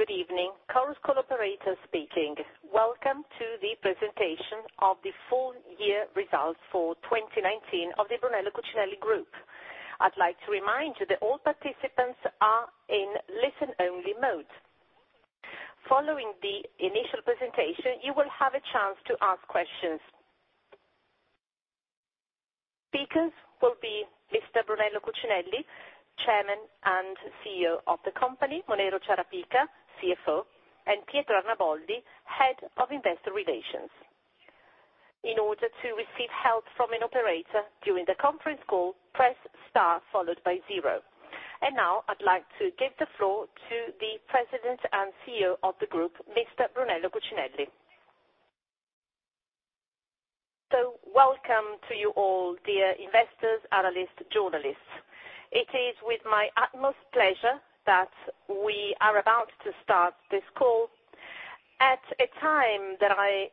Good evening. Chorus call operator speaking. Welcome to the presentation of the full year results for 2019 of the Brunello Cucinelli Group. I'd like to remind you that all participants are in listen-only mode. Following the initial presentation, you will have a chance to ask questions. Speakers will be Mr. Brunello Cucinelli, Chairman and CEO of the company, Moreno Ciarapica, CFO, and Pietro Arnaboldi, Head of Investor Relations. In order to receive help from an operator during the conference call, press star followed by zero. Now I'd like to give the floor to the President and CEO of the group, Mr. Brunello Cucinelli. Welcome to you all, dear investors, analysts, journalists. It is with my utmost pleasure that we are about to start this call at a time that I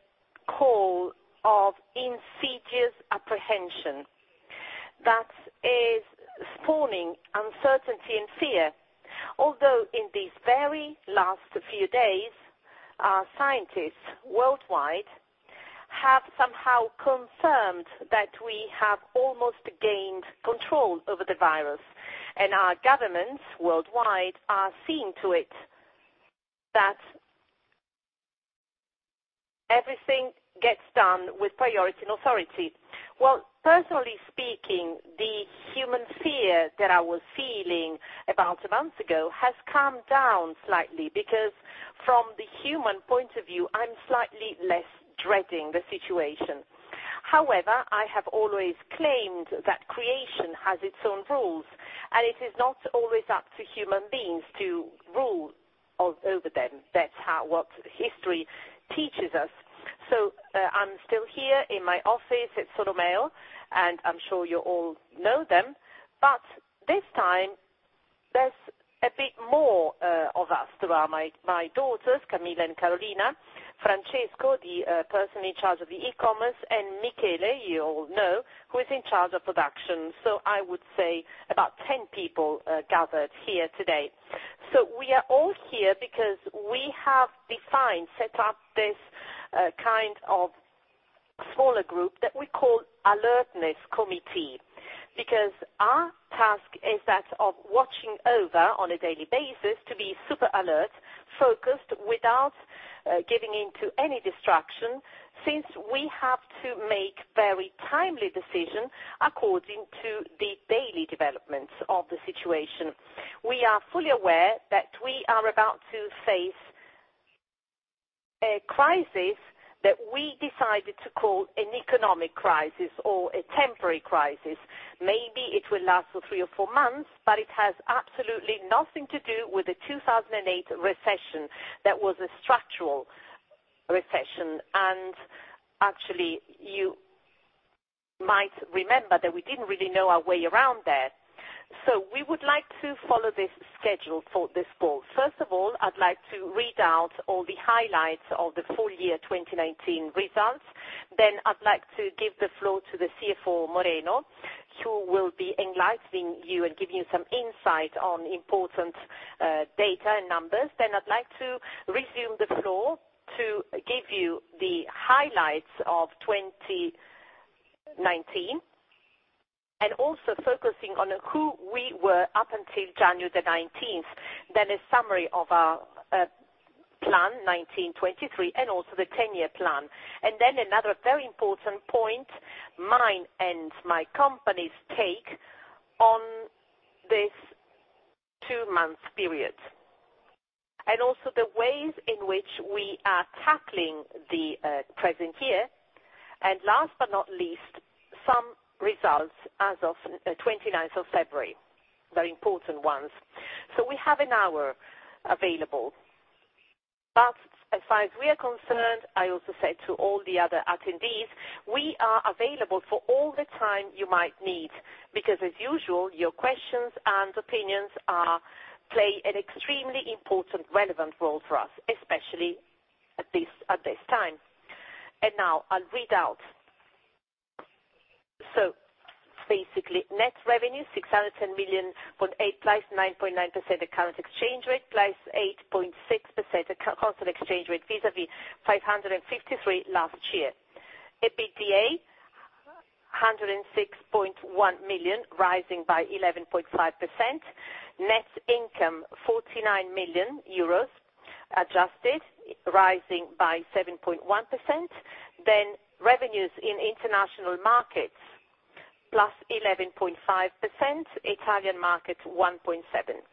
call of insidious apprehension, that is spawning uncertainty and fear. In these very last few days, our scientists worldwide have somehow confirmed that we have almost gained control over the virus. Our governments worldwide are seeing to it that everything gets done with priority and authority. Well, personally speaking, the human fear that I was feeling about a month ago has calmed down slightly because from the human point of view, I'm slightly less dreading the situation. I have always claimed that creation has its own rules. It is not always up to human beings to rule over them. That's what history teaches us. I'm still here in my office at Solomeo. I'm sure you all know them. This time there's a bit more of us. There are my daughters, Camilla and Carolina, Francesco, the person in charge of the e-commerce, and Michele, you all know, who is in charge of production. I would say about 10 people gathered here today. We are all here because we have defined, set up this kind of smaller group that we call alertness committee, because our task is that of watching over on a daily basis to be super alert, focused without giving into any distraction, since we have to make very timely decision according to the daily developments of the situation. We are fully aware that we are about to face a crisis that we decided to call an economic crisis or a temporary crisis. Maybe it will last for three or four months, but it has absolutely nothing to do with the 2008 recession. That was a structural recession, and actually you might remember that we didn't really know our way around that. We would like to follow this schedule for this call. First of all, I'd like to read out all the highlights of the full year 2019 results. I'd like to give the floor to the CFO, Moreno, who will be enlightening you and giving you some insight on important data and numbers. I'd like to resume the floor to give you the highlights of 2019 and also focusing on who we were up until January 19th. A summary of our plan 2019-2023, and also the 10-year plan. Another very important point, mine and my company's take on this two-month period, and also the ways in which we are tackling the present year. Last but not least, some results as of 29th of February, very important ones. We have an hour available, but as far as we are concerned, I also said to all the other attendees, we are available for all the time you might need, because as usual, your questions and opinions play an extremely important relevant role for us, especially at this time. Now I'll read out. Basically, net revenue, 610.8 million, +9.9% account exchange rate, +8.6% constant exchange rate, vis-à-vis 553 million last year. EBITDA, 106.1 million, +11.5%. Net income, 49 million euros adjusted, +7.1%. Revenues in international markets, +11.5%, Italian market, 1.7%.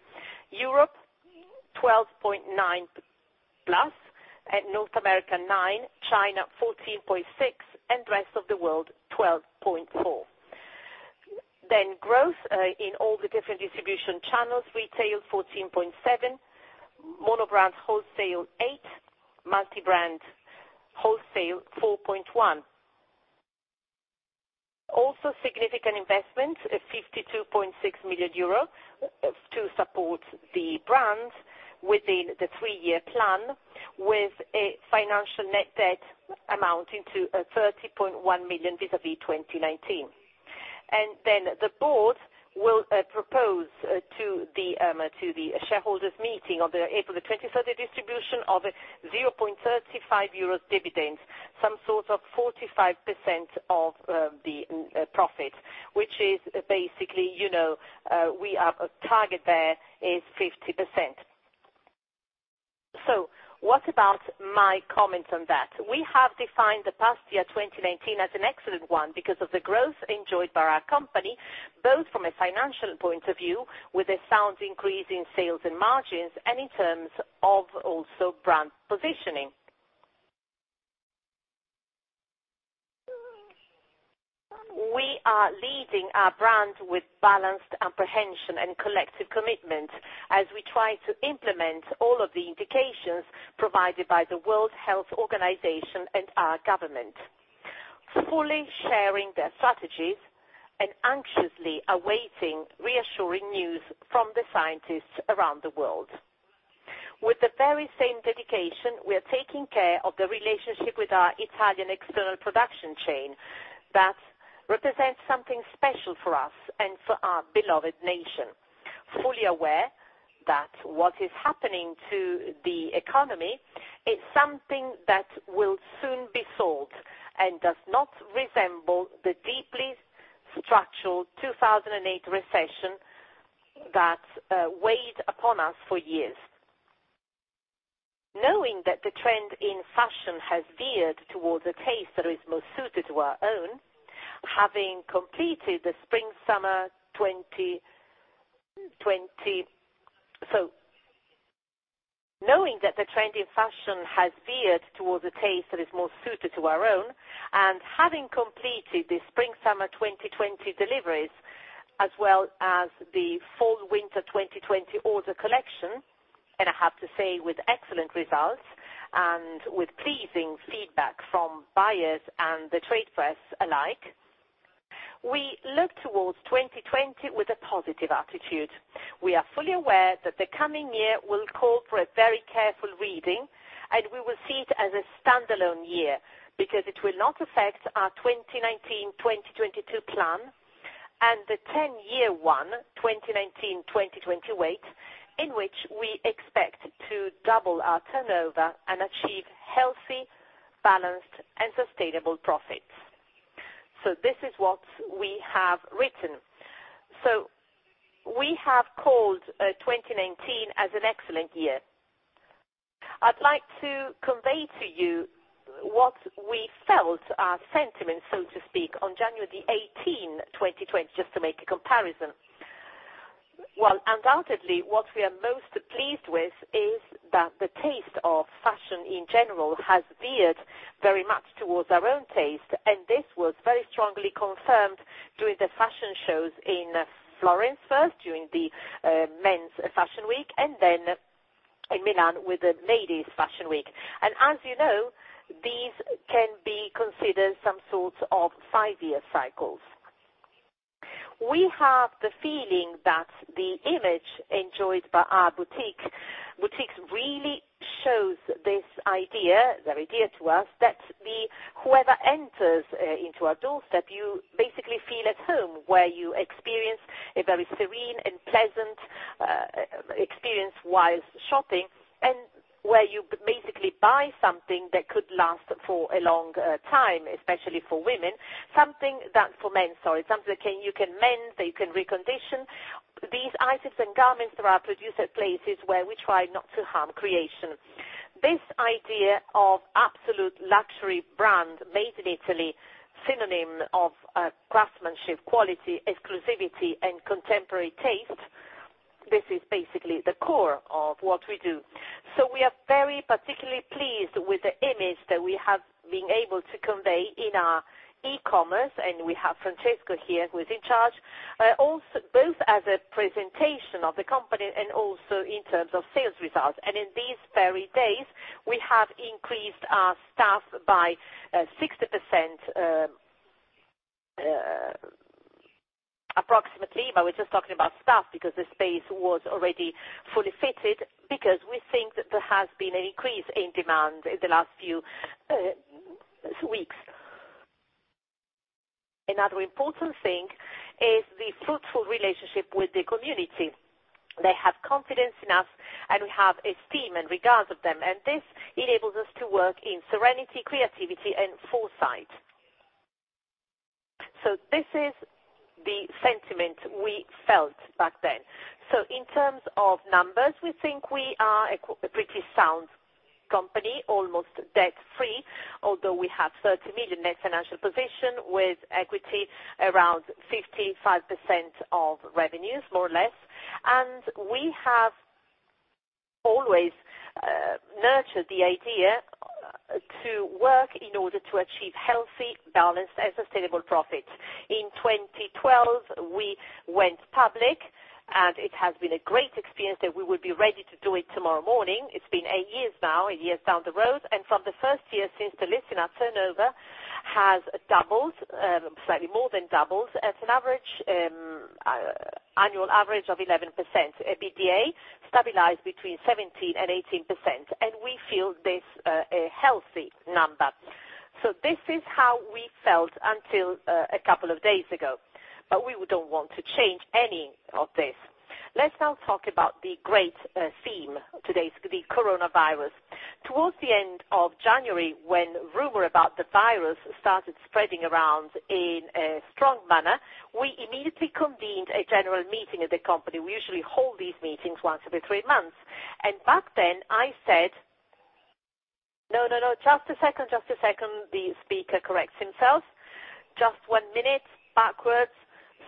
Europe, +12.9%, and North America, 9%, China, 14.6%, and rest of the world, 12.4%. Growth in all the different distribution channels, retail, 14.7%, monobrand wholesale, 8%, multibrand wholesale, 4.1%. Significant investment of 52.6 million euro to support the brands within the three-year plan with a financial net debt amounting to 30.1 million vis-à-vis 2019. The board will propose to the shareholders meeting on April 23rd, the distribution of 0.35 euros dividend, some sort of 45% of the profit, which is basically, our target there is 50%. What about my comments on that? We have defined the past year 2019 as an excellent one because of the growth enjoyed by our company, both from a financial point of view, with a sound increase in sales and margins, and in terms of also brand positioning. We are leading our brand with balanced apprehension and collective commitment as we try to implement all of the indications provided by the World Health Organization and our government, fully sharing their strategies and anxiously awaiting reassuring news from the scientists around the world. With the very same dedication, we are taking care of the relationship with our Italian external production chain. That represents something special for us and for our beloved nation, fully aware that what is happening to the economy is something that will soon be solved and does not resemble the deeply structural 2008 recession that weighed upon us for years. Knowing that the trend in fashion has veered towards a taste that is more suited to our own, and having completed the Spring/Summer 2020 deliveries, as well as the Fall/Winter 2020 order collection, and I have to say with excellent results and with pleasing feedback from buyers and the trade press alike, we look towards 2020 with a positive attitude. We are fully aware that the coming year will call for a very careful reading, and we will see it as a standalone year because it will not affect our 2019/2022 plan and the 10-year one, 2019/2028, in which we expect to double our turnover and achieve healthy, balanced and sustainable profits. This is what we have written. We have called 2019 as an excellent year. I'd like to convey to you what we felt, our sentiment, so to speak, on January the 18th, 2020, just to make a comparison. Well, undoubtedly, what we are most pleased with is that the taste of fashion in general has veered very much towards our own taste, and this was very strongly confirmed during the fashion shows in Florence first, during the Men's Fashion Week, and then in Milan with the Ladies Fashion Week. As you know, these can be considered some sort of five-year cycles. We have the feeling that the image enjoyed by our boutiques really shows this idea, very dear to us, that whoever enters into our doorstep, you basically feel at home, where you experience a very serene and pleasant experience while shopping, and where you basically buy something that could last for a long time, especially for women. Something that you can mend, that you can recondition. These items and garments are produced at places where we try not to harm creation. This idea of absolute luxury brand made in Italy, synonym of craftsmanship, quality, exclusivity, and contemporary taste, this is basically the core of what we do. We are very particularly pleased with the image that we have been able to convey in our e-commerce, and we have Francesco here who is in charge, both as a presentation of the company and also in terms of sales results. In these very days, we have increased our staff by 60% approximately, but we're just talking about staff because the space was already fully fitted because we think that there has been an increase in demand in the last few weeks. Another important thing is the fruitful relationship with the community. They have confidence in us, and we have esteem and regards of them, and this enables us to work in serenity, creativity, and foresight. This is the sentiment we felt back then. In terms of numbers, we think we are a pretty sound company, almost debt-free, although we have 30 million net financial position with equity around 55% of revenues, more or less. We have always nurtured the idea to work in order to achieve healthy, balanced, and sustainable profits. In 2012, we went public. It has been a great experience that we would be ready to do it tomorrow morning. It has been eight years now, eight years down the road. From the first year since the listing, our turnover has slightly more than doubled, at an annual average of 11%. EBITDA stabilized between 17% and 18%. We feel this a healthy number. This is how we felt until a couple of days ago. We don't want to change any of this. Let's now talk about the great theme today, the coronavirus. Towards the end of January, when rumor about the virus started spreading around in a strong manner, we immediately convened a general meeting of the company. We usually hold these meetings once every three months. Back then I said No, just a second. Just one minute backwards.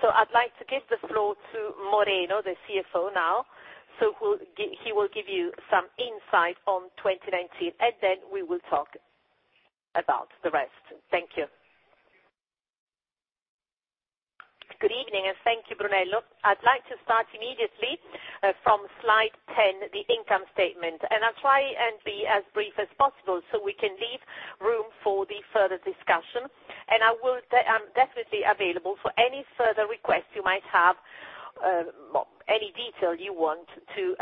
I'd like to give the floor to Moreno, the CFO now. He will give you some insight on 2019, then we will talk about the rest. Thank you. Good evening, and thank you, Brunello. I'd like to start immediately from slide 10, the income statement. I'll try and be as brief as possible so we can leave room for the further discussion. I am definitely available for any further requests you might have, any detail you want to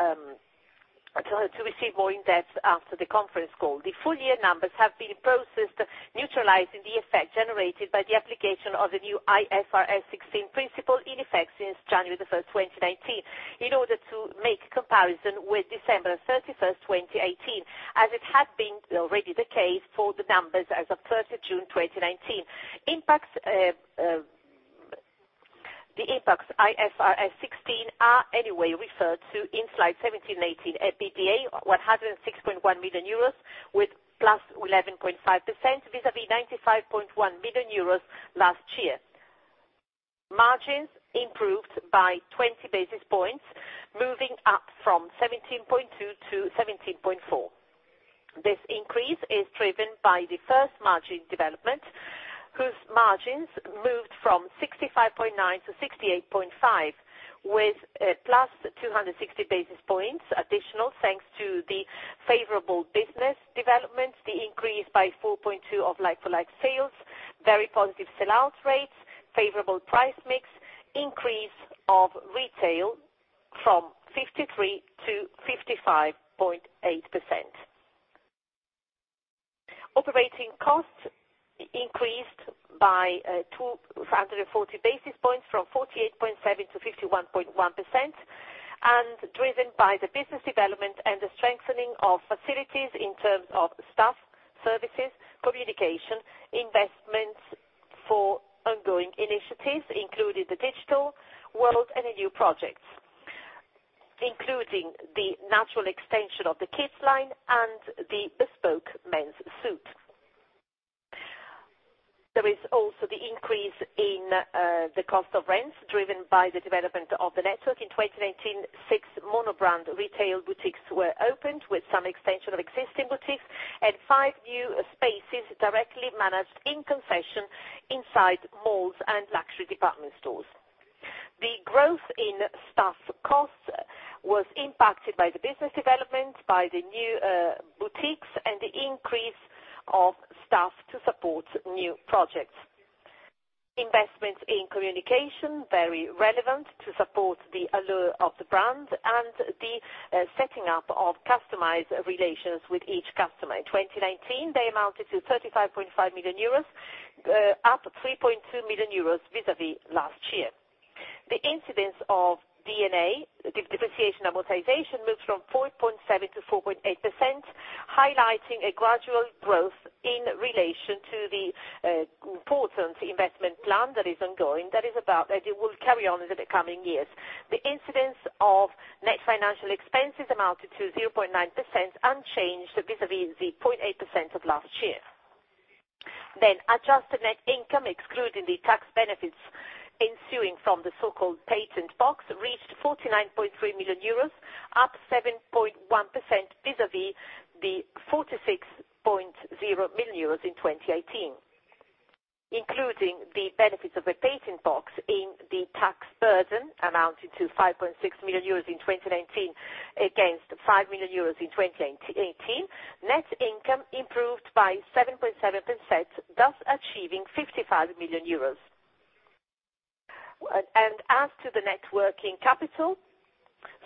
receive more in-depth after the conference call. The full year numbers have been processed, neutralizing the effect generated by the application of the new IFRS 16 principle in effect since January the 1st, 2019, in order to make comparison with December 31st, 2018, as it had been already the case for the numbers as of 30th June 2019. The impacts IFRS 16 are anyway referred to in slide 17 and 18. EBITDA 106.1 million euros with +11.5%, vis-a-vis 95.1 million euros last year. Margins improved by 20 basis points, moving up from 17.2%-17.4%. This increase is driven by the first margin development, whose margins moved from 65.9%-68.5%, with +260 basis points additional thanks to the favorable business development, the increase by 4.2% of like-for-like sales, very positive sell-out rates, favorable price mix, increase of retail from 53%-55.8%. Operating costs increased by 240 basis points from 48.7%-51.1%, and driven by the business development and the strengthening of facilities in terms of staff, services, communication, investments for ongoing initiatives, including the digital world and the new projects, including the natural extension of the Kids line and the bespoke men's suit. There is also the increase in the cost of rents driven by the development of the network. In 2019, six monobrand retail boutiques were opened, with some extension of existing boutiques and five new spaces directly managed in concession inside malls and luxury department stores. The growth in staff costs was impacted by the business development, by the new boutiques, and the increase of staff to support new projects. Investments in communication, very relevant to support the allure of the brand, and the setting up of customized relations with each customer. In 2019, they amounted to 35.5 million euros, up 3.2 million euros vis-a-vis last year. The incidence of D&A, depreciation amortization, moved from 4.7% to 4.8%, highlighting a gradual growth in relation to the important investment plan that is ongoing, that will carry on into the coming years. The incidence of net financial expenses amounted to 0.9%, unchanged vis-a-vis the 0.8% of last year. Adjusted net income, excluding the tax benefits ensuing from the so-called patent box, reached 49.3 million euros, up 7.1% vis-a-vis the 46.0 million euros in 2018. Including the benefits of the patent box in the tax burden amounting to 5.6 million euros in 2019 against 5 million euros in 2018, net income improved by 7.7%, thus achieving 55 million euros. As to the net working capital,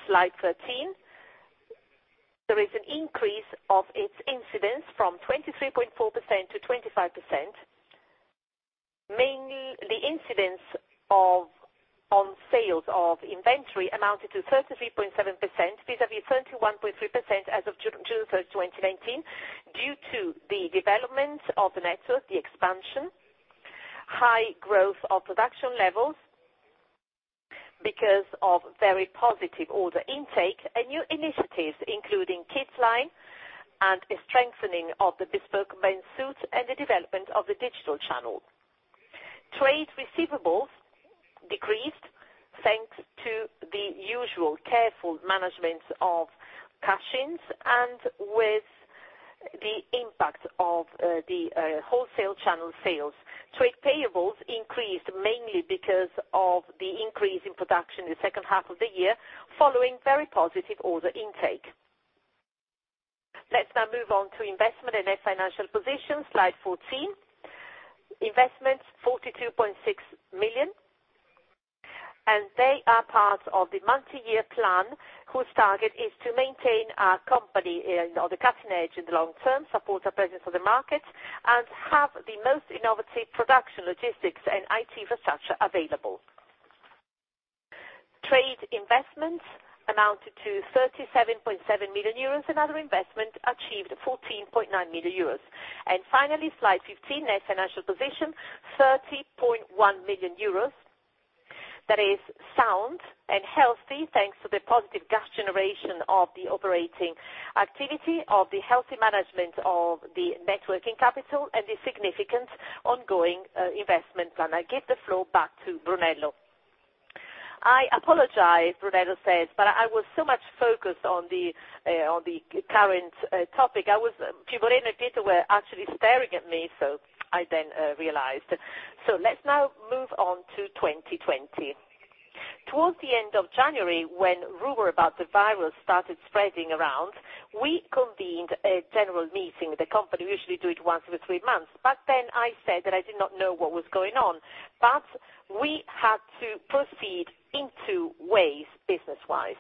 slide 13, there is an increase of its incidence from 23.4% to 25%. Mainly, the incidence on sales of inventory amounted to 33.7% vis-a-vis 31.3% as of June 1st, 2019, due to the development of the network, the expansion, high growth of production levels because of very positive order intake and new initiatives, including Kids line and a strengthening of the bespoke men's suits and the development of the digital channel. Trade receivables decreased thanks to the usual careful management of cash-ins and with the impact of the wholesale channel sales. Trade payables increased mainly because of the increase in production in the second half of the year, following very positive order intake. Let's now move on to investment and net financial position. Slide 14. Investments, 42.6 million. They are part of the multi-year plan, whose target is to maintain our company on the cutting edge in the long term, support our presence on the market, and have the most innovative production logistics and IT research available. Trade investments amounted to 37.7 million euros. Another investment achieved 14.9 million euros. Finally, slide 15, net financial position, 30.1 million euros. That is sound and healthy, thanks to the positive cash generation of the operating activity of the healthy management of the networking capital, and the significant ongoing investment plan. I give the floor back to Brunello. "I apologize," Brunello says, "but I was so much focused on the current topic, Pia, Lorena, and Peter were actually staring at me, so I then realized." Let's now move on to 2020. Towards the end of January, when rumor about the virus started spreading around, we convened a general meeting with the company. We usually do it once every three months. Back then, I said that I did not know what was going on. We had to proceed in two ways, business-wise.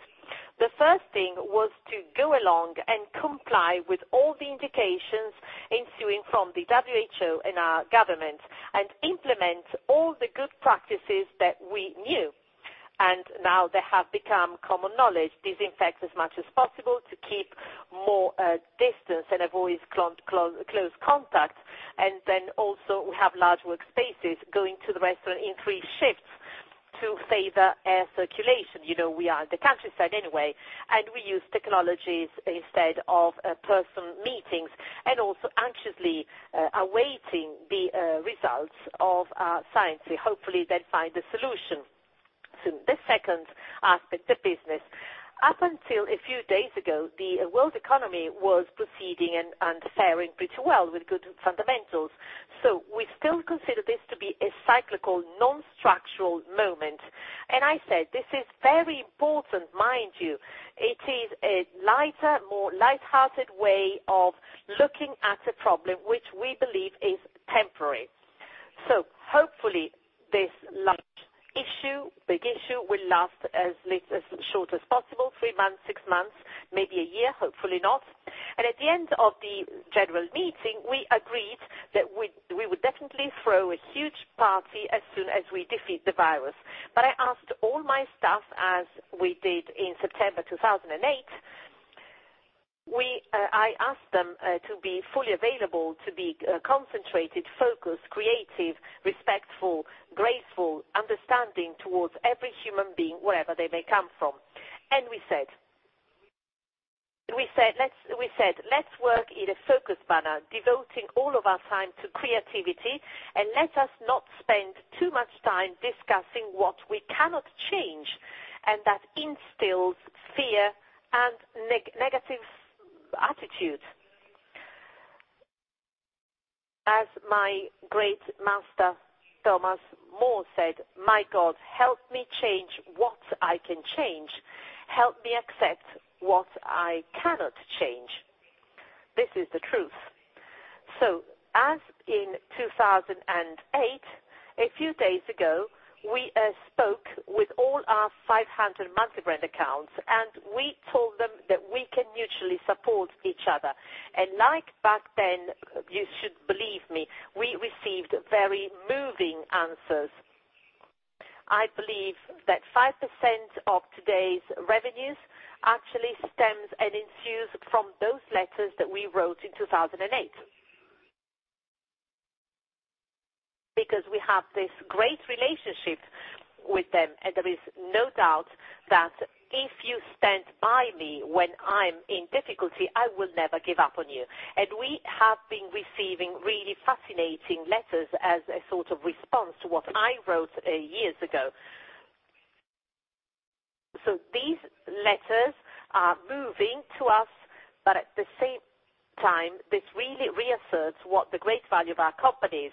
The first thing was to go along and comply with all the indications ensuing from the WHO and our government, and implement all the good practices that we knew. Now they have become common knowledge. Disinfect as much as possible to keep more distance and avoid close contact. Then also we have large workspaces, going to the restaurant in three shifts to favor air circulation. We are in the countryside anyway, and we use technologies instead of personal meetings, and also anxiously awaiting the results of our science. We hopefully then find a solution soon. The second aspect of business. Up until a few days ago, the world economy was proceeding and faring pretty well, with good fundamentals. We still consider this to be a cyclical, non-structural moment. I said, this is very important. Mind you, it is a lighter, more lighthearted way of looking at a problem, which we believe is temporary. Hopefully this large issue, big issue, will last as short as possible, three months, six months, maybe a year, hopefully not. At the end of the general meeting, we agreed that we would definitely throw a huge party as soon as we defeat the virus. I asked all my staff, as we did in September 2008, I asked them to be fully available, to be concentrated, focused, creative, respectful, graceful, understanding towards every human being, wherever they may come from. We said, "Let's work in a focused manner, devoting all of our time to creativity, and let us not spend too much time discussing what we cannot change and that instills fear and negative attitude." As my great master, Thomas More, said, "My God, help me change what I can change. Help me accept what I cannot change." This is the truth. As in 2008, a few days ago, we spoke with all our 500 multibrand accounts, and we told them that we can mutually support each other. Like back then, you should believe me, we received very moving answers. I believe that 5% of today's revenues actually stems and ensues from those letters that we wrote in 2008. We have this great relationship with them, and there is no doubt that if you stand by me when I'm in difficulty, I will never give up on you. We have been receiving really fascinating letters as a sort of response to what I wrote years ago. These letters are moving to us, but at the same time, this really reasserts what the great value of our company is.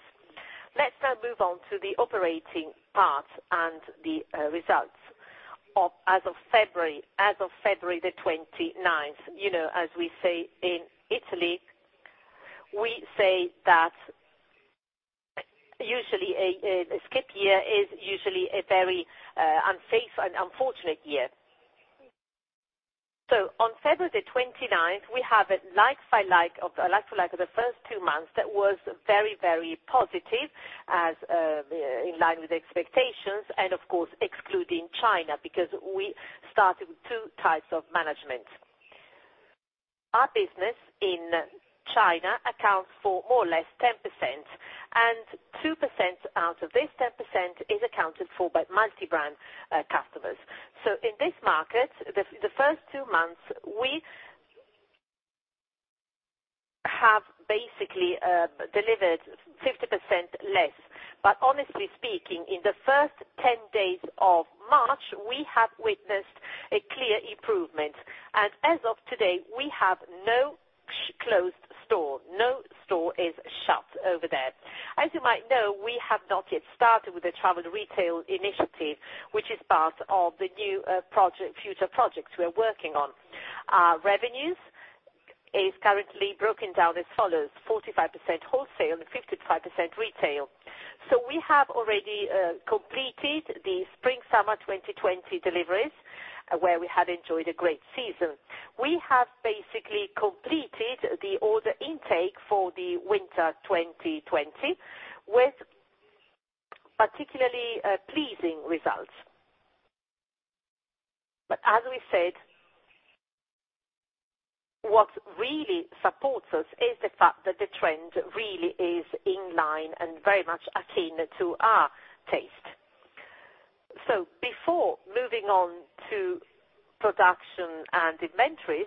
Let's now move on to the operating part and the results as of February the 29th. As we say in Italy, we say that a skip year is usually a very unsafe and unfortunate year. On February 29th, we have a like-for-like of the first two months that was very, very positive, as in line with expectations, and of course, excluding China, because we started with two types of management. Our business in China accounts for more or less 10%, and 2% out of this 10% is accounted for by multibrand customers. In this market, the first two months, we have basically delivered 50% less. Honestly speaking, in the first 10 days of March, we have witnessed a clear improvement. As of today, we have no closed store. No store is shut over there. As you might know, we have not yet started with the travel retail initiative, which is part of the new future projects we are working on. Our revenues is currently broken down as follows: 45% wholesale and 55% retail. We have already completed the Spring/Summer 2020 deliveries, where we have enjoyed a great season. We have basically completed the order intake for the winter 2020, with particularly pleasing results. As we said, what really supports us is the fact that the trend really is in line and very much akin to our taste. Before moving on to production and inventories,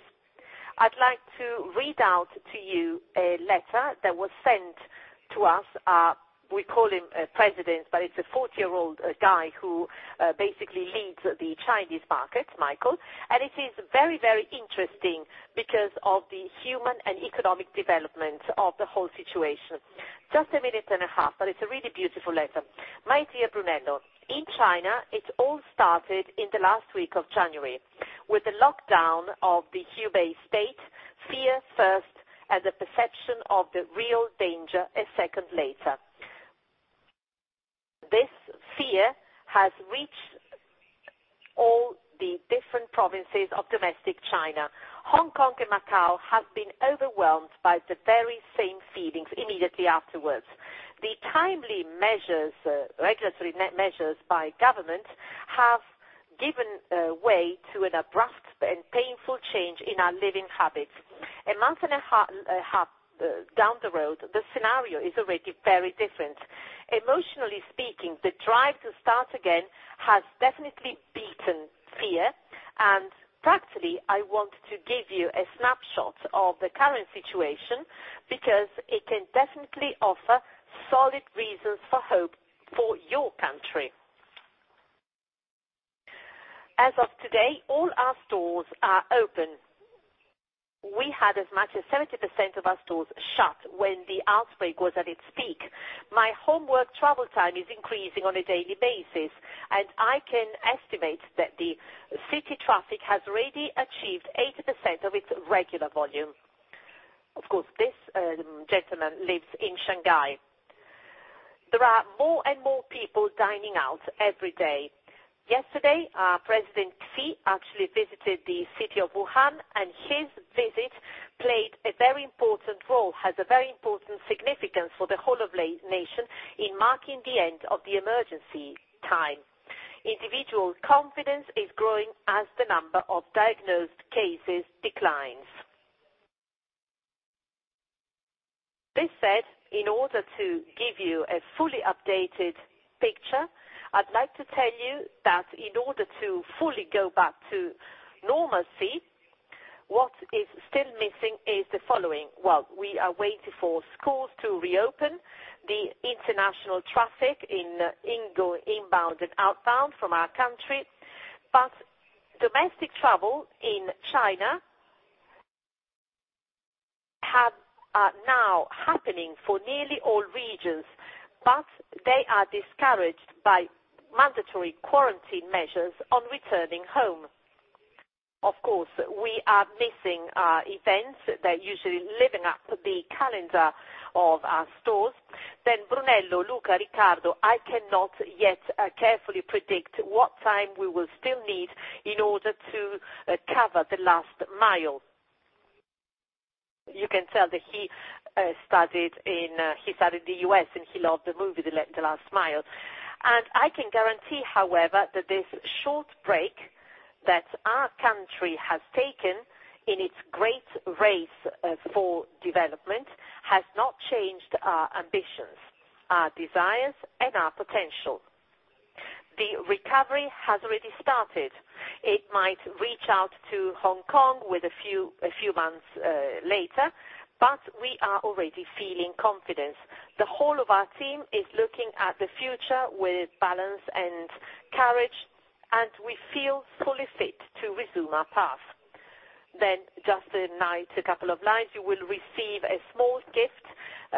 I'd like to read out to you a letter that was sent to us. We call him president, but it's a 40-year-old guy who basically leads the Chinese market, Michael. It is very interesting because of the human and economic development of the whole situation. Just a minute and a half, but it's a really beautiful letter. "My dear Brunello, in China, it all started in the last week of January with the lockdown of the Hubei state. Fear first, and the perception of the real danger a second later. This fear has reached all the different provinces of domestic China. Hong Kong and Macao have been overwhelmed by the very same feelings immediately afterwards. The timely regulatory measures by government have given way to an abrupt and painful change in our living habits. A month and a half down the road, the scenario is already very different. Emotionally speaking, the drive to start again has definitely beaten fear. Practically, I want to give you a snapshot of the current situation because it can definitely offer solid reasons for hope for your country. As of today, all our stores are open. We had as much as 70% of our stores shut when the outbreak was at its peak. My homework travel time is increasing on a daily basis, and I can estimate that the city traffic has already achieved 80% of its regular volume. Of course, this gentleman lives in Shanghai. There are more and more people dining out every day. Yesterday, President Xi actually visited the city of Wuhan, and his visit played a very important role, has a very important significance for the whole of nation in marking the end of the emergency time. Individual confidence is growing as the number of diagnosed cases declines. This said, in order to give you a fully updated picture, I'd like to tell you that in order to fully go back to normalcy, what is still missing is the following. Well, we are waiting for schools to reopen, the international traffic inbound and outbound from our country. Domestic travel in China are now happening for nearly all regions, but they are discouraged by mandatory quarantine measures on returning home. Of course, we are missing events that usually liven up the calendar of our stores. Brunello, Luca, Riccardo, I cannot yet carefully predict what time we will still need in order to cover the last mile. You can tell that he studied in the U.S., and he loved the movie "The Last Mile." I can guarantee, however, that this short break that our country has taken in its great race for development has not changed our ambitions, our desires, and our potential. The recovery has already started. It might reach out to Hong Kong a few months later, but we are already feeling confidence. The whole of our team is looking at the future with balance and courage, and we feel fully fit to resume our path. Just a couple of lines. You will receive a small gift,"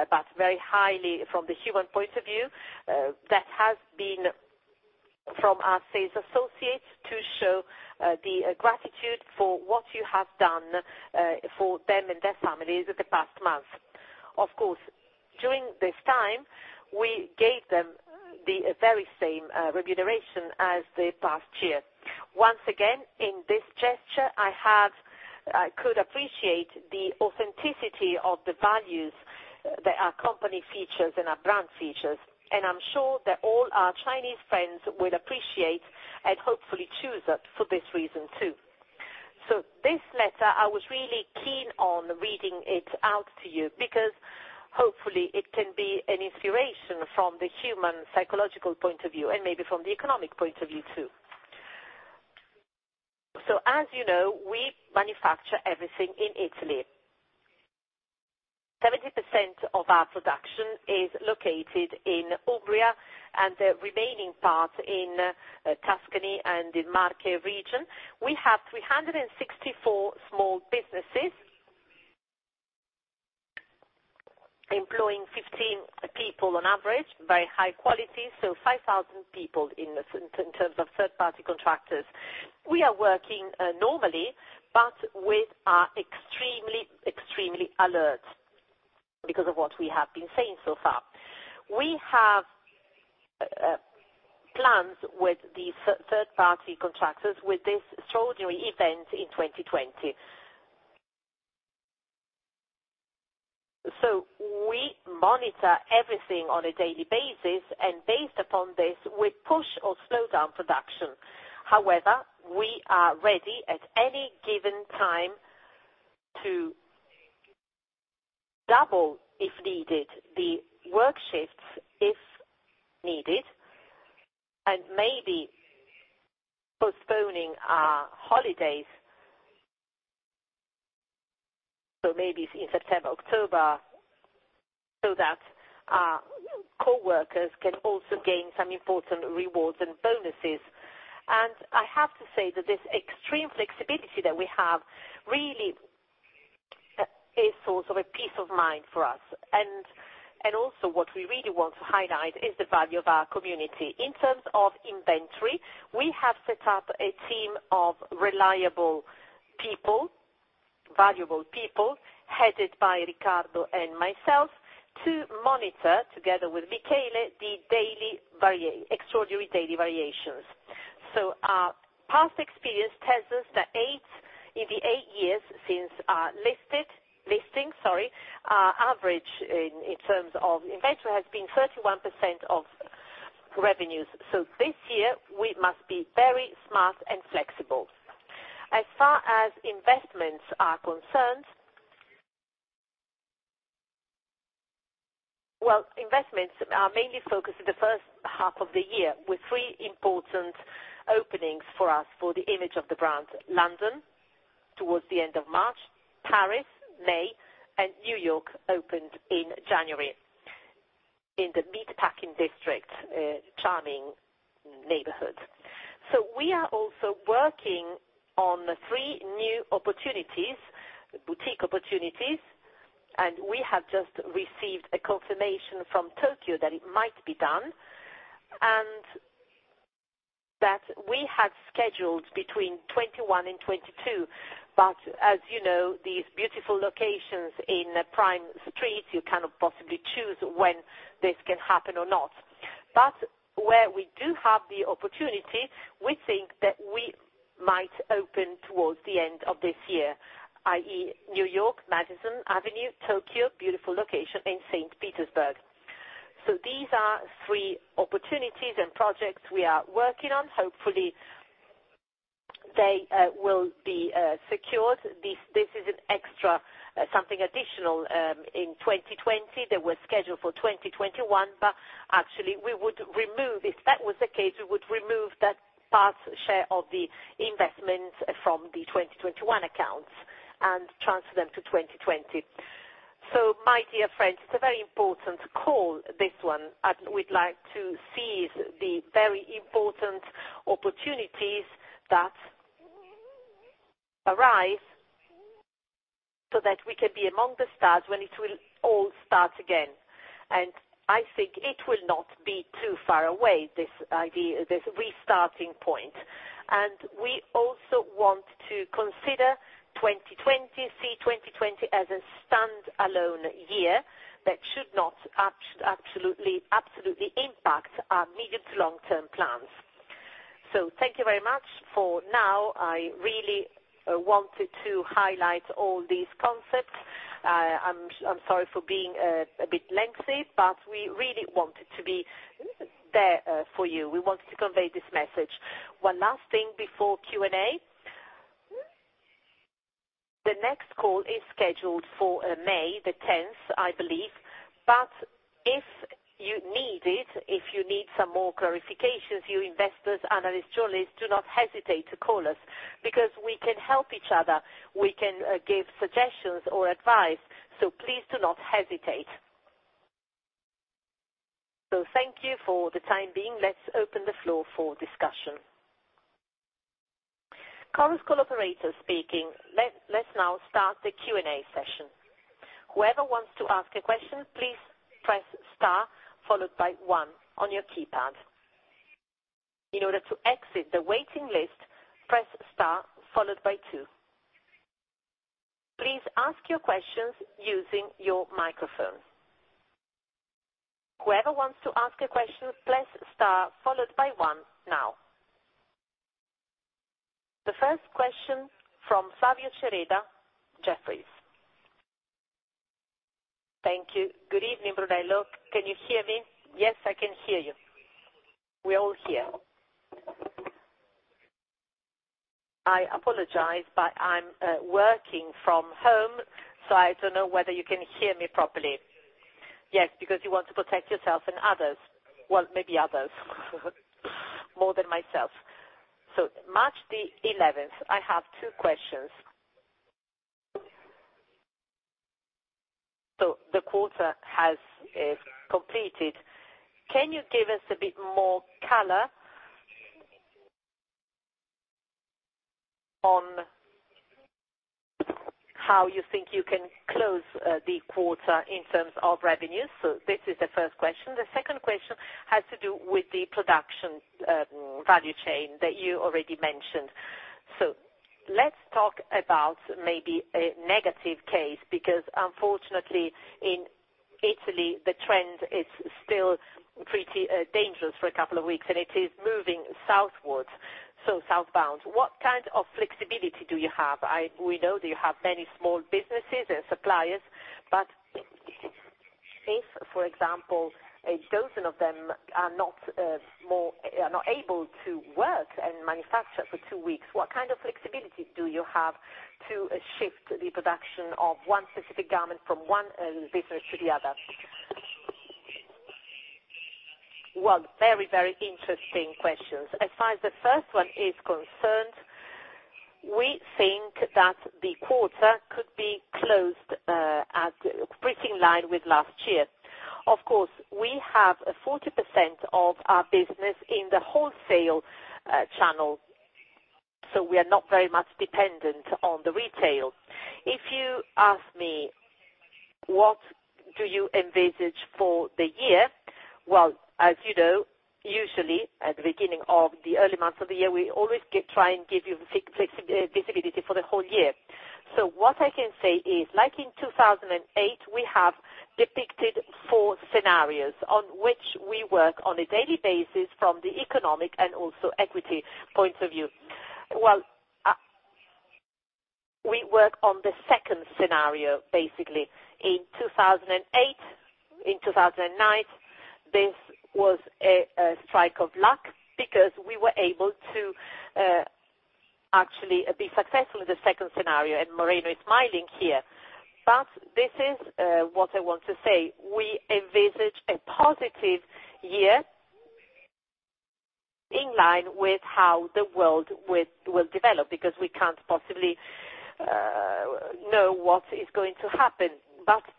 but very highly from the human point of view, "that has been from our sales associates to show the gratitude for what you have done for them and their families the past month." Of course, during this time, we gave them the very same remuneration as the past year. Once again, in this gesture, I could appreciate the authenticity of the values that our company features and our brand features. I'm sure that all our Chinese friends will appreciate and hopefully choose us for this reason, too. This letter, I was really keen on reading it out to you because hopefully, it can be an inspiration from the human psychological point of view and maybe from the economic point of view, too. As you know, we manufacture everything in Italy. 70% of our production is located in Umbria and the remaining part in Tuscany and the Marche region. We have 364 small businesses. Employing 15 people on average, very high quality, so 5,000 people in terms of third-party contractors. We are working normally, but we are extremely alert because of what we have been saying so far. We have plans with the third-party contractors with this extraordinary event in 2020. We monitor everything on a daily basis. Based upon this, we push or slow down production. However, we are ready at any given time to double, if needed, the work shifts if needed, and maybe postponing our holidays, so maybe in September, October, so that our coworkers can also gain some important rewards and bonuses. I have to say that this extreme flexibility that we have really is sort of a peace of mind for us. Also what we really want to highlight is the value of our community. In terms of inventory, we have set up a team of reliable people, valuable people, headed by Riccardo and myself, to monitor, together with Michele, the extraordinary daily variations. Our past experience tells us that in the eight years since our listing, our average in terms of inventory has been 31% of revenues. This year we must be very smart and flexible. As far as investments are concerned, well, investments are mainly focused in the first half of the year, with three important openings for us for the image of the brand. London, towards the end of March, Paris, May, and New York opened in January in the Meatpacking District, a charming neighborhood. We are also working on three new boutique opportunities, and we have just received a confirmation from Tokyo that it might be done, and that we have scheduled between 2021 and 2022. As you know, these beautiful locations in prime streets, you cannot possibly choose when this can happen or not. Where we do have the opportunity, we think that we might open towards the end of this year, i.e., New York, Madison Avenue, Tokyo, beautiful location, and St. Petersburg. These are three opportunities and projects we are working on. Hopefully, they will be secured. This is an extra, something additional, in 2020. They were scheduled for 2021, but actually, if that was the case, we would remove that part share of the investment from the 2021 accounts and transfer them to 2020. My dear friends, it's a very important call, this one, and we'd like to seize the very important opportunities that arise so that we can be among the stars when it will all start again. I think it will not be too far away, this restarting point. We also want to consider 2020, see 2020 as a standalone year that should not absolutely impact our medium to long-term plans. Thank you very much for now. I really wanted to highlight all these concepts. I'm sorry for being a bit lengthy, but we really wanted to be there for you. We wanted to convey this message. One last thing before Q&A. The next call is scheduled for May the 10th, I believe. But, if you need it, if you need some more clarifications, you investors, analysts, journalists, do not hesitate to call us because we can help each other. We can give suggestions or advice, please do not hesitate. Thank you for the time being. Let's open the floor for discussion. Call operator speaking. Let's now start the Q&A session. Whoever wants to ask a question, please press star followed by one on your keypad. In order to exit the waiting list, press star followed by two. Please ask your questions using your microphone. Whoever wants to ask a question, press star followed by one now. The first question from Flavio Cereda, Jefferies. Thank you. Good evening, Brunello. Can you hear me? Yes, I can hear you. We all hear. I apologize, but I'm working from home, so I don't know whether you can hear me properly. Yes, because you want to protect yourself and others. Well, maybe others more than myself. March the 11th, I have two questions. The quarter has completed. Can you give us a bit more color on how you think you can close the quarter in terms of revenue. This is the first question. The second question has to do with the production value chain that you already mentioned. Let's talk about maybe a negative case, because unfortunately, in Italy, the trend is still pretty dangerous for a couple of weeks, and it is moving southwards, so south bounds. What kind of flexibility do you have? We know that you have many small businesses and suppliers, but if, for example, a dozen of them are not able to work and manufacture for two weeks, what kind of flexibility do you have to shift the production of one specific garment from one business to the other? Well, very interesting questions. As far as the first one is concerned, we think that the quarter could be closed pretty in line with last year. Of course, we have 40% of our business in the wholesale channel, so we are not very much dependent on the retail. If you ask me, what do you envisage for the year? Well, as you know, usually at the beginning of the early months of the year, we always try and give you visibility for the whole year. What I can say is, like in 2008, we have depicted four scenarios on which we work on a daily basis from the economic and also equity points of view. We work on the second scenario, basically. In 2008, in 2009, this was a strike of luck because we were able to actually be successful in the second scenario, and Moreno is smiling here. This is what I want to say. We envisage a positive year in line with how the world will develop, because we can't possibly know what is going to happen.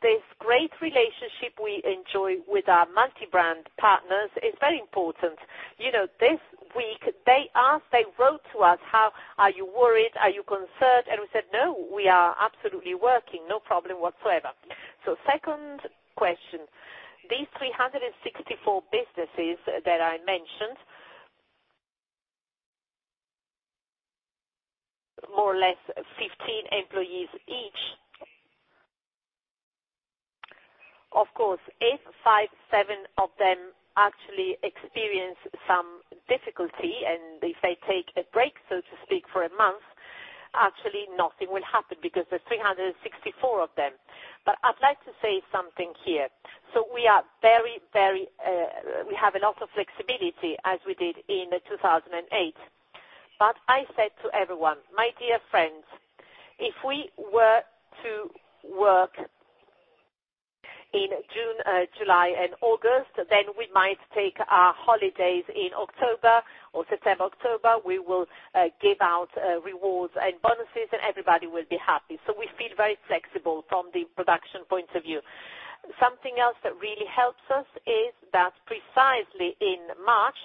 This great relationship we enjoy with our multi-brand partners is very important. This week, they wrote to us, "Are you worried? Are you concerned?" We said, "No, we are absolutely working. No problem whatsoever." Second question, these 364 businesses that I mentioned, more or less 15 employees each. Of course, if five, seven of them actually experience some difficulty, and if they take a break, so to speak, for a month, actually nothing will happen because there's 364 of them. I'd like to say something here. We have a lot of flexibility, as we did in 2008. I said to everyone, "My dear friends, if we were to work in June, July, and August, then we might take our holidays in October or September/October. We will give out rewards and bonuses, and everybody will be happy." We feel very flexible from the production point of view. Something else that really helps us is that precisely in March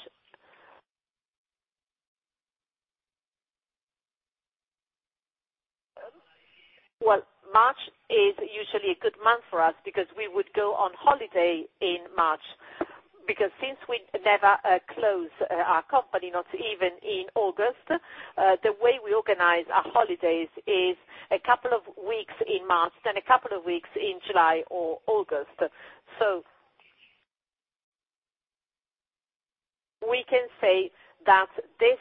Well, March is usually a good month for us because we would go on holiday in March. Since we never close our company, not even in August, the way we organize our holidays is a couple of weeks in March, then a couple of weeks in July or August. We can say that this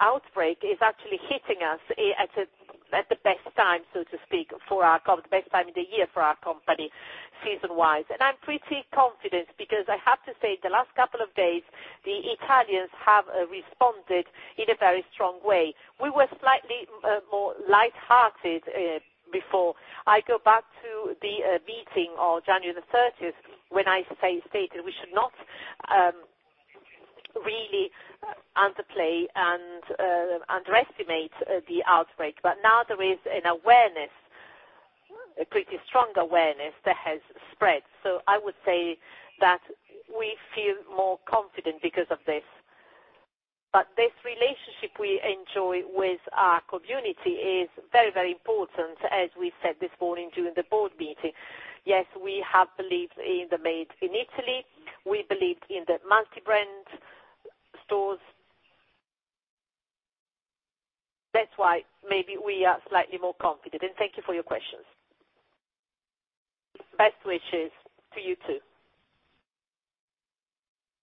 outbreak is actually hitting us at the best time, so to speak, the best time of the year for our company, season-wise. I'm pretty confident because I have to say, the last couple of days, the Italians have responded in a very strong way. We were slightly more lighthearted before. I go back to the meeting on January the 30th, when I stated we should not really underplay and underestimate the outbreak. Now there is an awareness, a pretty strong awareness that has spread. I would say that we feel more confident because of this. This relationship we enjoy with our community is very, very important, as we said this morning during the board meeting. Yes, we have believed in the Made in Italy. We believe in the multi-brand stores. That's why maybe we are slightly more confident, and thank you for your questions. Best wishes to you, too.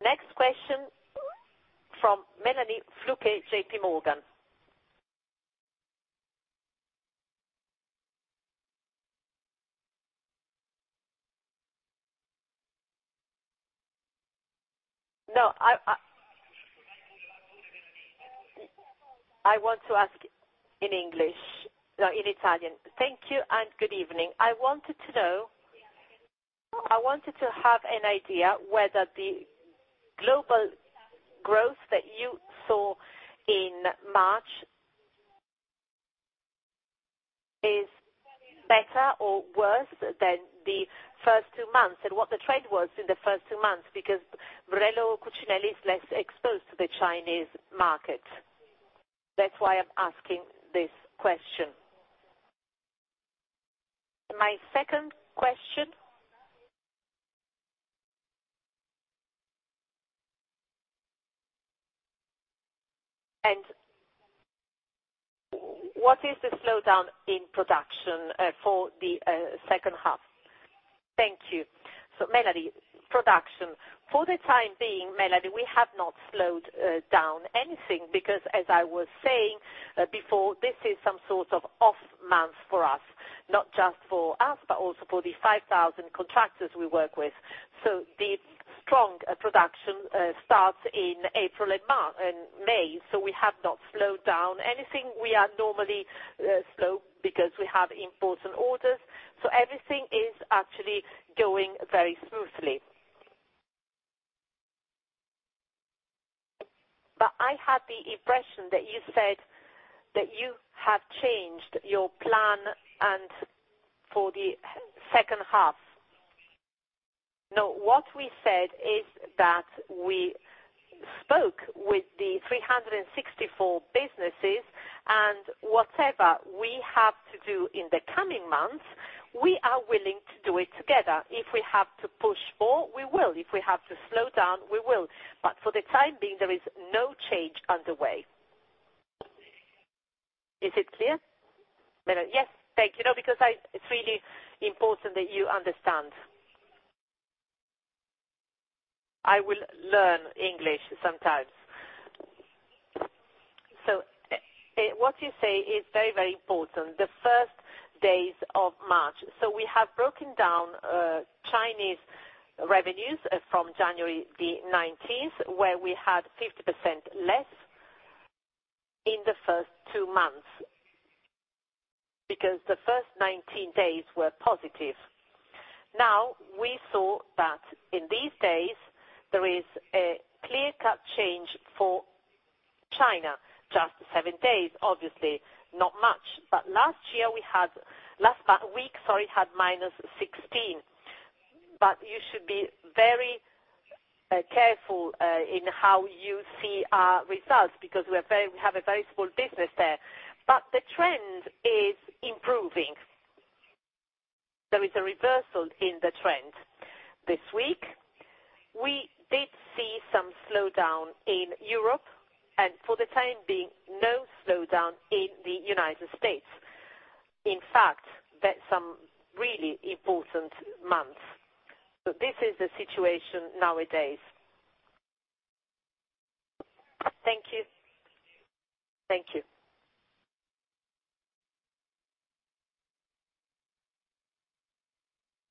Next question from Melania Flouquet, JPMorgan. No, I want to ask in English. No, in Italian. Thank you, and good evening. I wanted to have an idea whether the global growth that you saw in March is better or worse than the first two months, and what the trade was in the first two months, because Brunello Cucinelli is less exposed to the Chinese market. That's why I'm asking this question. My second question. What is the slowdown in production for the second half? Thank you. Melania, production. For the time being, Melania, we have not slowed down anything because, as I was saying before, this is some sort of off month for us, not just for us, but also for the 5,000 contractors we work with. The strong production starts in April and May, we have not slowed down anything. We are normally slow because we have important orders. Everything is actually going very smoothly. I had the impression that you said that you have changed your plan and for the second half. No, what we said is that we spoke with the 364 businesses, whatever we have to do in the coming months, we are willing to do it together. If we have to push more, we will. If we have to slow down, we will. For the time being, there is no change underway. Is it clear? Yes. Thank you. It's really important that you understand. I will learn English sometimes. What you say is very, very important. The first days of March. We have broken down Chinese revenues from January the 19th, where we had 50% less in the first two months, because the first 19 days were positive. Now, we saw that in these days, there is a clear-cut change for China, just seven days, obviously not much. Last week, we had -16. You should be very careful in how you see our results because we have a very small business there. The trend is improving. There is a reversal in the trend. This week, we did see some slowdown in Europe, and for the time being, no slowdown in the U.S. In fact, that's some really important months. This is the situation nowadays. Thank you. Thank you.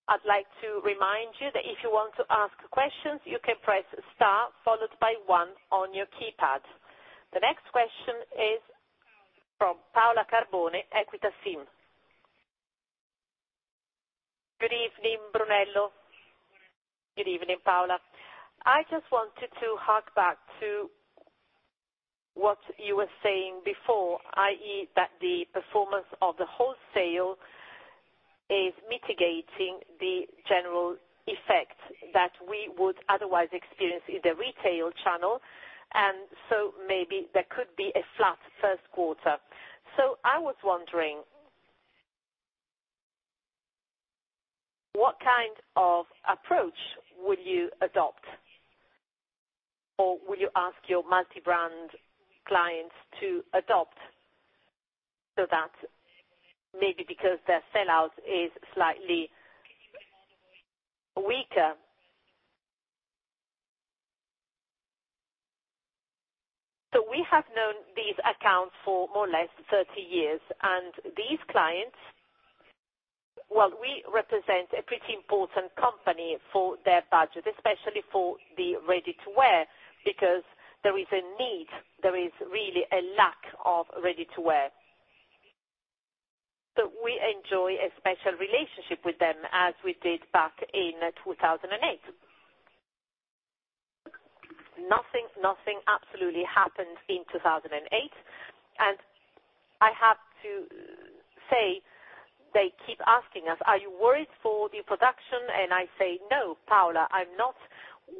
I'd like to remind you that if you want to ask questions, you can press star followed by one on your keypad. The next question is from Paola Carboni, Equita SIM. Good evening, Brunello. Good evening, Paola. I just wanted to hark back to what you were saying before, i.e., that the performance of the wholesale is mitigating the general effect that we would otherwise experience in the retail channel. Maybe there could be a flat first quarter. I was wondering, what kind of approach will you adopt, or will you ask your multi-brand clients to adopt so that maybe because their sell-out is slightly weaker? We have known these accounts for more or less 30 years, and these clients, well, we represent a pretty important company for their budget, especially for the ready-to-wear, because there is a need, there is really a lack of ready-to-wear. We enjoy a special relationship with them as we did back in 2008. Nothing absolutely happened in 2008. I have to say, they keep asking us, "Are you worried for the production?" I say, "No, Paola, I'm not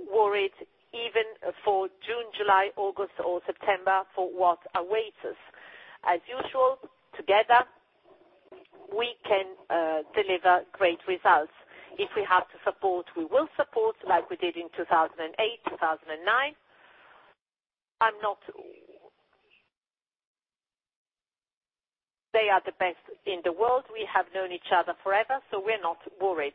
worried even for June, July, August, or September for what awaits us." As usual, together, we can deliver great results. If we have to support, we will support, like we did in 2008, 2009. They are the best in the world. We have known each other forever. We're not worried.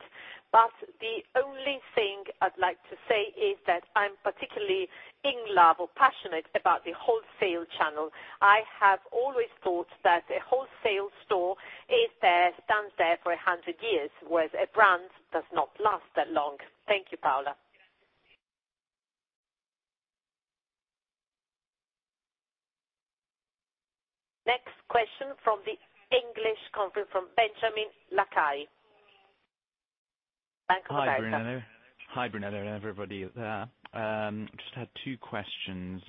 The only thing I'd like to say is that I'm particularly in love or passionate about the wholesale channel. I have always thought that a wholesale store stands there for 100 years, whereas a brand does not last that long. Thank you, Paola. Next question from the English conference from [Benjamin Lakai]. Hi, Brunello, and everybody there. Just had two questions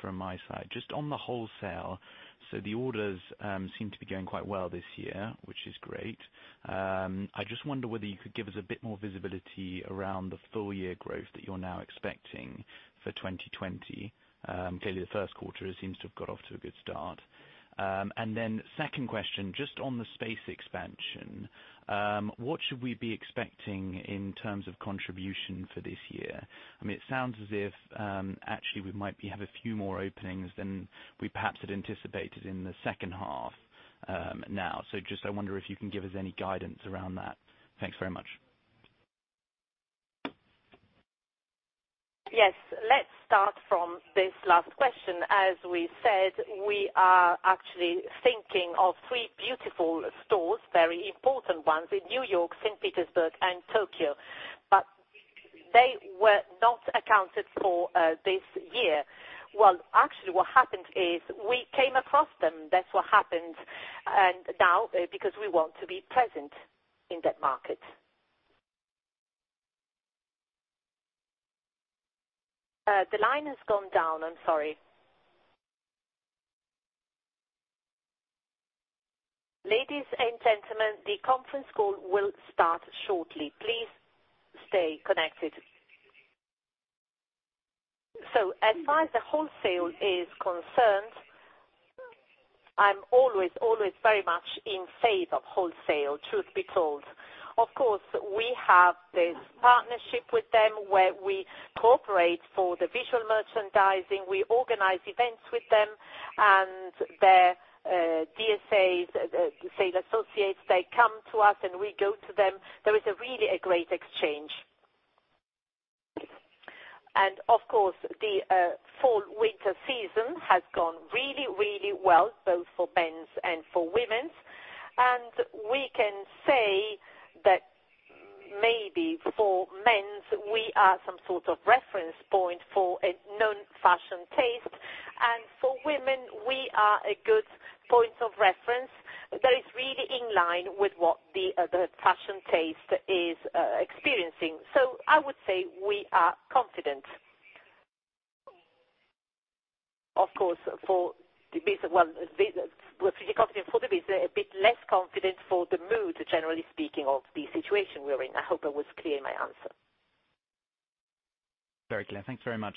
from my side. Just on the wholesale, the orders seem to be going quite well this year, which is great. I just wonder whether you could give us a bit more visibility around the full year growth that you're now expecting for 2020. Clearly, the first quarter seems to have got off to a good start. Second question, just on the space expansion, what should we be expecting in terms of contribution for this year? It sounds as if, actually, we might have a few more openings than we perhaps had anticipated in the second half now. Just, I wonder if you can give us any guidance around that. Thanks very much. Yes. Let's start from this last question. As we said, we are actually thinking of three beautiful stores, very important ones in New York, St. Petersburg, and Tokyo. They were not accounted for this year. Well, actually, what happened is we came across them. That's what happened, and now, because we want to be present in that market. The line has gone down. I'm sorry. Ladies and gentlemen, the conference call will start shortly. Please stay connected. As far as the wholesale is concerned, I'm always very much in favor of wholesale, truth be told. Of course, we have this partnership with them where we cooperate for the visual merchandising. We organize events with them and their DSAs, the sales associates, they come to us, and we go to them. There is really a great exchange. Of course, the Fall/Winter season has gone really, really well, both for men's and for women's. We can say that maybe for men's, we are some sort of reference point for a known fashion taste. For women, we are a good point of reference that is really in line with what the fashion taste is experiencing. I would say we are confident. Of course, we're pretty confident for the business, a bit less confident for the mood, generally speaking, of the situation we're in. I hope I was clear in my answer. Very clear. Thanks very much.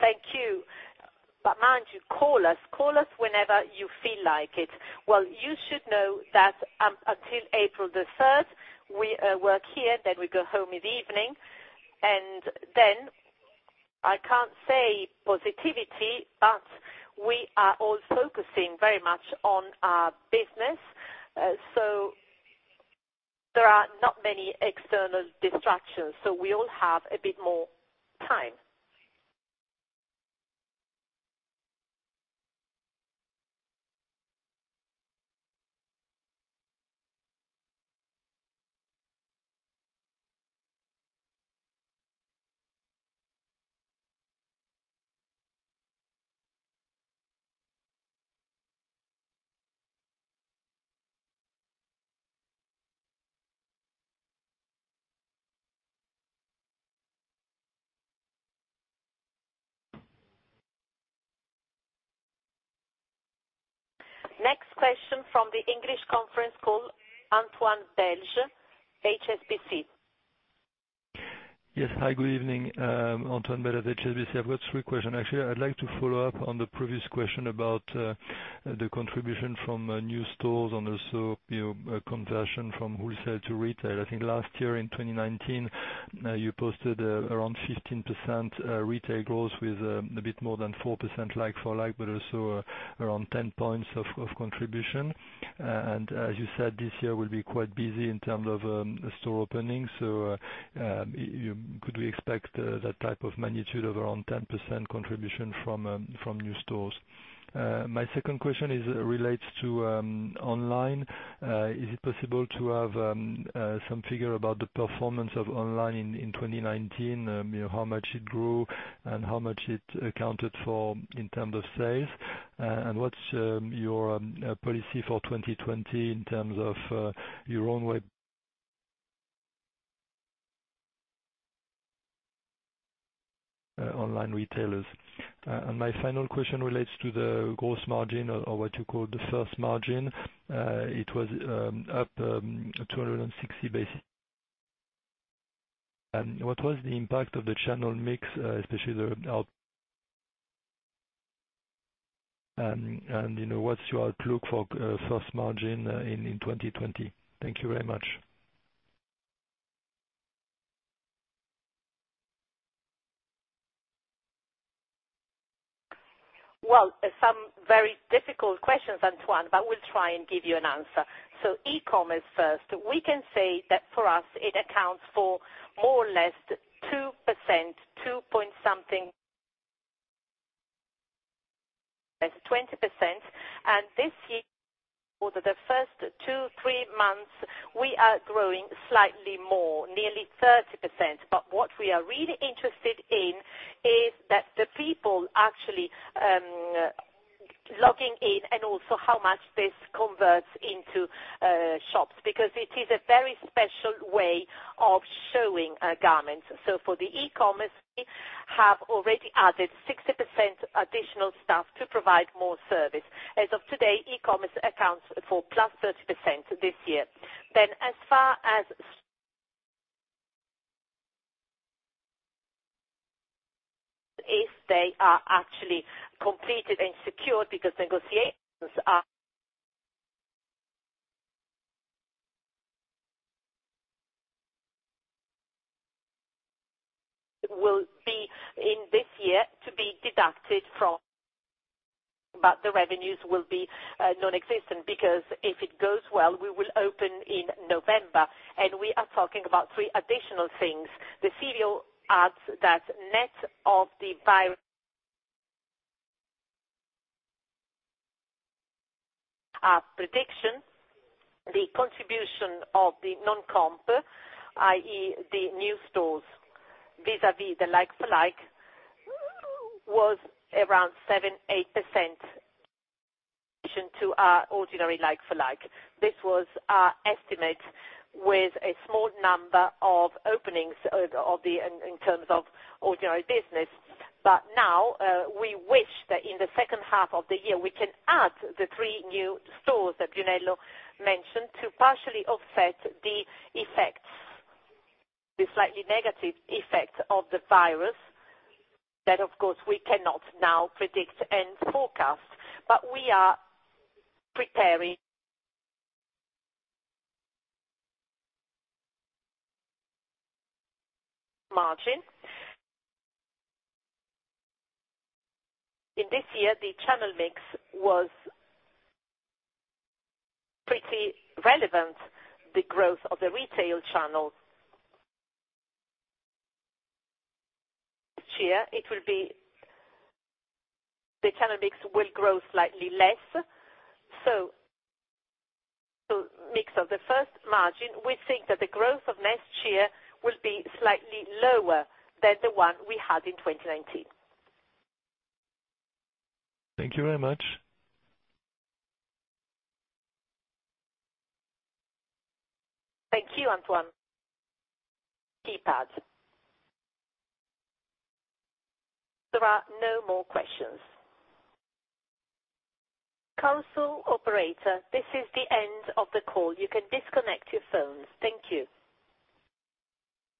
Thank you. Mind you, call us whenever you feel like it. You should know that up until April the 3rd, we work here, then we go home in the evening. I can't say positivity, but we are all focusing very much on our business. There are not many external distractions, so we all have a bit more time. Next question from the English conference call, Antoine Belge, HSBC. Yes. Hi, good evening. Antoine Belge at HSBC. I've got three questions, actually. I'd like to follow up on the previous question about the contribution from new stores and also conversion from wholesale to retail. I think last year in 2019, you posted around 15% retail growth with a bit more than 4% like-for-like, but also around 10 points of contribution. As you said, this year will be quite busy in terms of store openings. Could we expect that type of magnitude of around 10% contribution from new stores? My second question relates to online. Is it possible to have some figure about the performance of online in 2019? How much it grew and how much it accounted for in terms of sales? What's your policy for 2020 in terms of your own web online retailers? My final question relates to the gross margin or what you call the source margin. It was up 260 basis points. What was the impact of the channel mix? What's your outlook for source margin in 2020? Thank you very much. Some very difficult questions, Antoine, we'll try and give you an answer. E-commerce first. We can say that for us, it accounts for more or less 2%, two point something. That's 20%. This year over the first two, three months, we are growing slightly more, nearly 30%. What we are really interested in is that the people actually logging in and also how much this converts into shops, because it is a very special way of showing garments. For the e-commerce, we have already added 60% additional staff to provide more service. As of today, e-commerce accounts for plus 30% this year. As far as if they are actually completed and secured, because negotiations will be in this year to be deducted from, but the revenues will be nonexistent because if it goes well, we will open in November, and we are talking about three additional things. The CEO adds that net of Our prediction, the contribution of the non-comp, i.e. the new stores vis-à-vis the like-for-like was around 7%-8% addition to our ordinary like-for-like. This was our estimate with a small number of openings in terms of ordinary business. Now, we wish that in the second half of the year, we can add the three new stores that Brunello mentioned to partially offset the slightly negative effects of the virus that of course we cannot now predict and forecast. We are preparing margin. In this year, the channel mix was pretty relevant, the growth of the retail channel. year, the channel mix will grow slightly less. Mix of the first margin, we think that the growth of next year will be slightly lower than the one we had in 2019. Thank you very much. Thank you, Antoine. TPAD. There are no more questions. Council operator, this is the end of the call. You can disconnect your phones. Thank you.